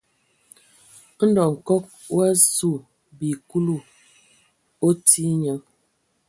Ndɔ Nkɔg o azu bi Kulu, o tii nye.